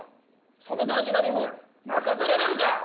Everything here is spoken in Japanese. そんな大事な任務任せられるか！